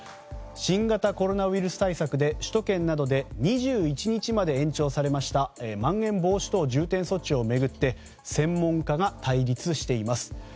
新型コロナウイルス対策で首都圏などで２１日まで延長されましたまん延防止等重点措置を巡って専門家が対立しています。